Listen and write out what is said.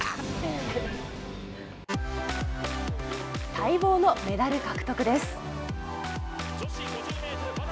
待望のメダル獲得です。